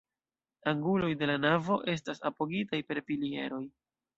Anguloj de la navo estas apogitaj per pilieroj.